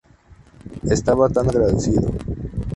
Estaba tan agradecido.